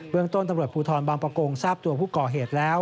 เมืองต้นตำรวจภูทรบางประกงทราบตัวผู้ก่อเหตุแล้ว